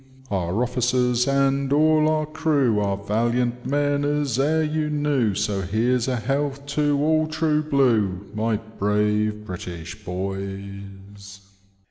Our officers and all our crew, Are valiant men as e'er you knew, 6'> here's a health to all true blue, My bra e British boys.'